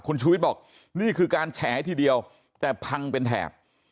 คุณชูวิทย์บอกนี่คือการแฉทีเดียวแต่พังเป็นแถบ